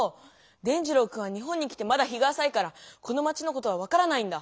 伝じろうくんは日本に来てまだ日があさいからこのまちのことは分からないんだ。